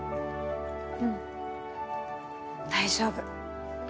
うん大丈夫。